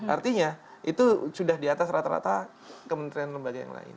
artinya itu sudah di atas rata rata kementerian lembaga yang lain